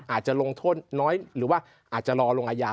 อาจจะลงโทษน้อยหรือว่าอาจจะรอลงอาญา